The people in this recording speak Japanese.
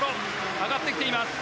上がってきています。